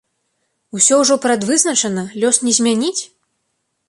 Усё ўжо прадвызначана, лёс не змяніць?